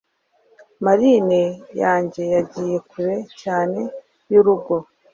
marine yanjye yagiye kure cyane y'urugo